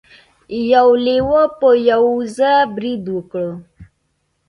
یو لیوه په یوه وزه برید وکړ.